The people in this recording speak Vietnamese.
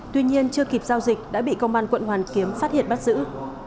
tuy nhiên chưa kịp giao dịch đã bị công an quận hoàn kiếm phát hiện bắt giữ